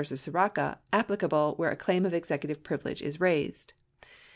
Sirica applicable where a claim of executive privilege is raised.